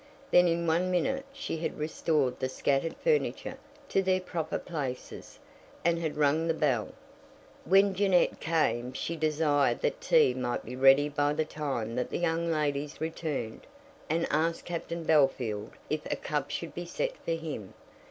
Then in one minute she had restored the scattered furniture to their proper places, and had rung the bell. When Jeannette came she desired that tea might be ready by the time that the young ladies returned, and asked Captain Bellfield if a cup should be set for him.